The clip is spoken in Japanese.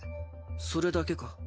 それだけか？